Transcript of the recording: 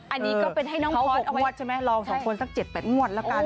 อันนี้ก็เป็นให้น้องพอร์ตเอางวดใช่ไหมลอง๒คนสัก๗๘งวดแล้วกัน